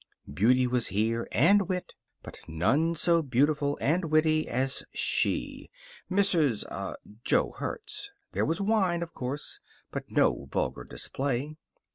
Beauty was here, and wit. But none so beautiful and witty as She. Mrs. er Jo Hertz. There was wine, of course; but no vulgar display.